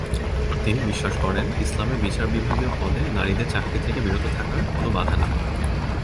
তিনি বিশ্বাস করেন, "ইসলামে বিচার বিভাগীয় পদে নারীদের চাকরি থেকে বিরত থাকার কোন বাধা নেই"।